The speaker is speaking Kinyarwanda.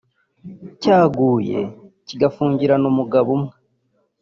cyaguye kigafungirna umugabo umwe